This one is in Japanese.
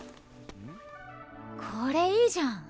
これいいじゃん。